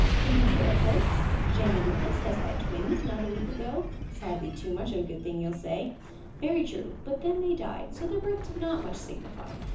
In the matter of births, Jenny Lucas has had twins not a week ago. Sadly too much of a good thing, you'll say. Very true: but then they died; so their birth did not much signify.